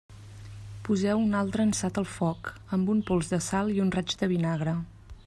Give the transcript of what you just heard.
Poseu un altre ansat al foc, amb un pols de sal i un raig de vinagre.